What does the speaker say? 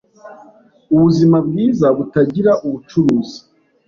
Ubuzima bwiza butagira ubucuruzi!